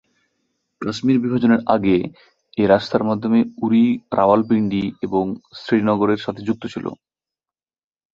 কাশ্মীর বিভাজনের আগে, এই রাস্তার মাধ্যমে উরি রাওয়ালপিন্ডি এবং শ্রীনগরের সাথে যুক্ত ছিল।